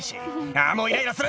「あぁもうイライラする！